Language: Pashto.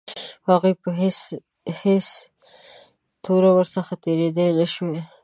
هغوی په هېڅ توګه ورڅخه تېرېدلای نه شوای.